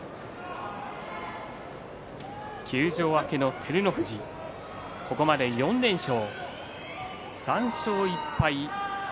休場明けの照ノ富士ここまで４連勝。